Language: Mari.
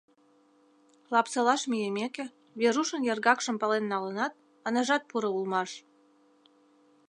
Лапсолаш мийымеке, Верушын яргакшым пален налынат, ынежат пуро улмаш.